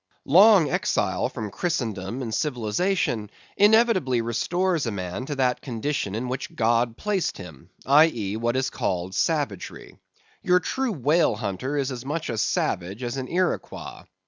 Long exile from Christendom and civilization inevitably restores a man to that condition in which God placed him, i.e. what is called savagery. Your true whale hunter is as much a savage as an Iroquois.